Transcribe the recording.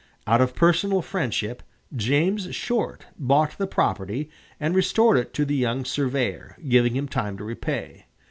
Out of personal friendship, James Short bought the property and restored it to the young surveyor, giving him time to repay.